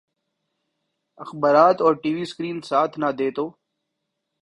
اخبارات اور T V screen ساتھ نہ دے تو